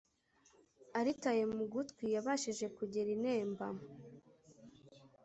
aritaye mu gutwi yabashije kugera i nemba